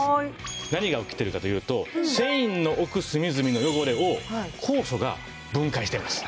何が起きてるかというと繊維の奥隅々の汚れを酵素が分解しています。